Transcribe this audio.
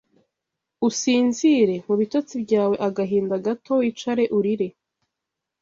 usinzire; mu bitotsi byawe Agahinda gato wicare urire